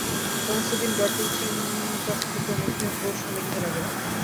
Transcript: সমস্তদিন ব্যাকুল চিন্তান্বিত মুখে প্রহসন লিখিতে লাগিলাম।